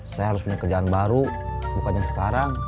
saya harus punya kerjaan baru bukan yang sekarang